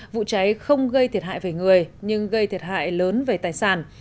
vụ cháy không gây thiệt hại về người nhưng gây thiệt hại lớn về tài sản